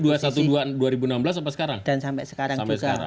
dua ribu enam belas atau sekarang dan sampai sekarang juga